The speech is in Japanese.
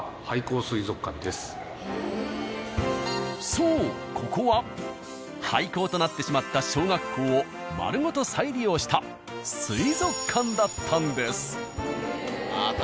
そうここは廃校となってしまった小学校を丸ごと再利用した水族館だったんです。